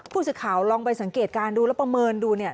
ผู้สื่อข่าวลองไปสังเกตการณ์ดูแล้วประเมินดูเนี่ย